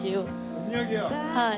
はい。